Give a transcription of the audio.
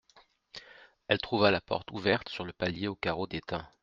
Elle trouva la porte ouverte, sur le palier aux carreaux déteints.